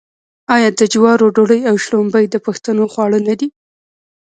آیا د جوارو ډوډۍ او شړومبې د پښتنو خواړه نه دي؟